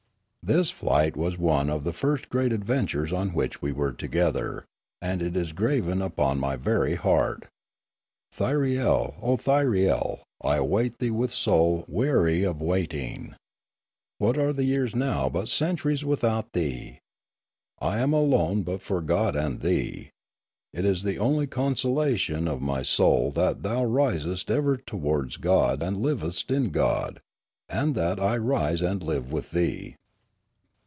This flight was one of the first great adventures on which we were together, and it is graven upon my very heart. Thyriel, O Thyriel, I await thee with soul weary of waiting! What are the years now but cen turies without thee ? I am alone but for God and thee. It is the only consolation of my soul that thou risest ever towards God and livest in God, and that I rise and live with thee.